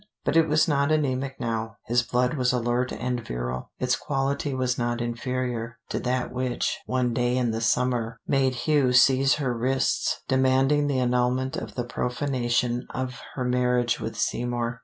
But it was not anemic now: his blood was alert and virile; its quality was not inferior to that which, one day in the summer, made Hugh seize her wrists, demanding the annulment of the profanation of her marriage with Seymour.